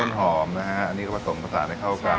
หอมนะฮะอันนี้ก็ผสมผสานให้เข้ากัน